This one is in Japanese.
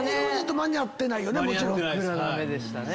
間に合ってないです。